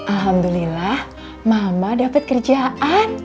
alhamdulillah mama dapat kerjaan